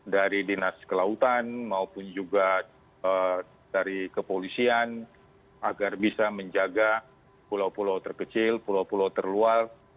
dari dinas kelautan maupun juga dari kepolisian agar bisa menjaga pulau pulau terkecil pulau pulau terluar